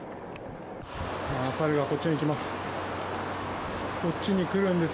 サルがこっちに来ます。